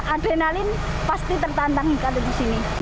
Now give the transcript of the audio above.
adrenalin pasti tertantangin kalau di sini